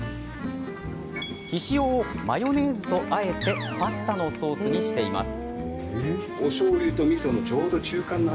ひしおをマヨネーズとあえてパスタのソースにしています。